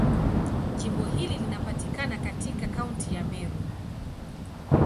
Jimbo hili linapatikana katika Kaunti ya Meru.